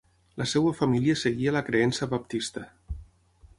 La seva família seguia la creença baptista.